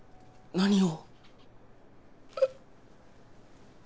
何を。